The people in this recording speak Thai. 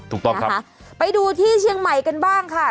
ถูกต้องครับไปดูที่เชียงใหม่กันบ้างค่ะ